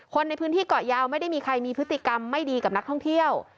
คนในพื้นที่เกาะยาวไม่ได้มีใครมีพฤติกรรมไม่ดีกับนักท่องเที่ยว